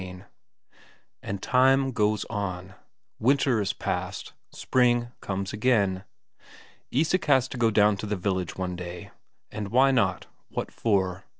Chapter XI And time goes on; winter is passed; spring comes again. Isak has to go down to the village one day and why not? What for?